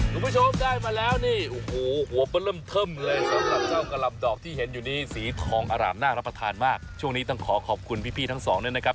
คุณผู้ชมได้มาแล้วนี่โอ้โหหัวก็เริ่มเทิมเลยสำหรับเจ้ากะลำดอกที่เห็นอยู่นี้สีทองอร่ามน่ารับประทานมากช่วงนี้ต้องขอขอบคุณพี่ทั้งสองด้วยนะครับ